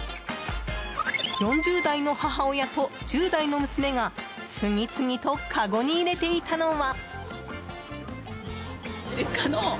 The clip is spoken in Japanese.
４０代の母親と１０代の娘が次々とかごに入れていたのは。